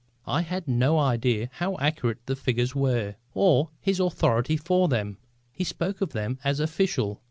I have no idea how accurate the figures were, or his authority for them. He spoke of them as official.